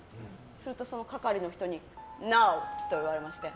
それでその係の人にノー！と言われまして。